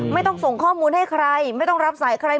ไม่ต้องส่งข้อมูลให้ใครไม่ต้องรับสายใคร